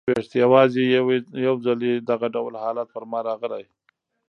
یوازي یو ځلې دغه ډول حالت پر ما راغلی.